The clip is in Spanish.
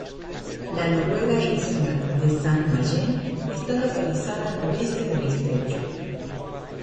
La noruega isla de Jan Mayen está localizada al noreste del estrecho.